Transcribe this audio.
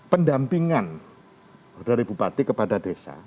pendampingan dari bupati kepada desa